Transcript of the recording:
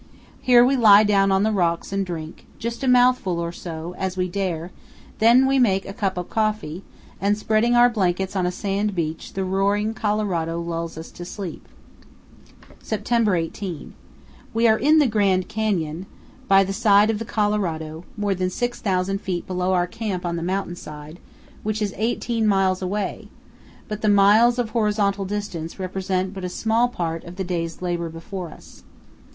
Here we lie down on the rocks and drink, just a mouthful or so, as we dare; then we make a cup of coffee, and spreading our blankets on a sand beach the roaring Colorado lulls us to sleep. September 18. We are in the Grand Canyon, by the side of the Colorado, more than 6,000 feet below our camp on the mountain side, which is 18 miles away; but the miles of horizontal distance represent but 316 CANYONS OF THE COLORADO. a small part of the day's labor before us.